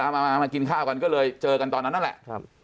มากินข้าวกันก็เลยเจอกันตอนนั้นนั่นแหละ